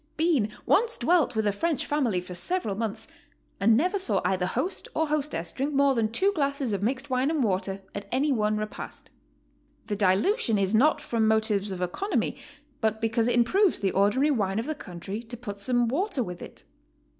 Bean once dwelt with a French family for several months, and never saw either host or hostess drink more than two glasses of mixed wine and water at any one repast. The dilution is not from motives of economy, but because it improves the ordinary wine of the country to put some water with it.